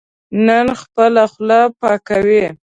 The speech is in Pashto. نن خپله خوله پاکوي.